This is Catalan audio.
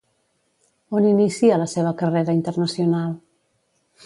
On inicia la seva carrera internacional?